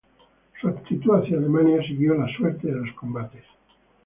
Su actitud hacia Alemania siguió la suerte de los combates.